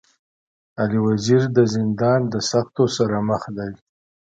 علي وزير د زندان د سختو سره مخ دی.